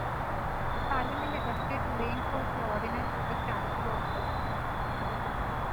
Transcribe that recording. Parliament attempted to reinforce the Ordinance with the Statute of Labourers.